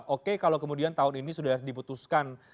oke kalau kemudian tahun ini sudah diputuskan